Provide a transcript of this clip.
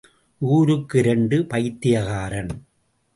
ஊருக்கு இரண்டு பைத்தியக்காரன்.